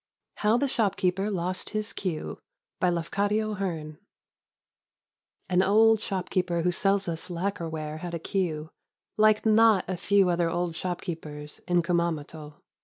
HOW THE SHOPKEEPER LOST HIS QUEUE BY LAFCADIO HEARN An old shopkeeper who sells us lacquer ware had a queue, — like not a few other old shopkeepers in Kumamoto.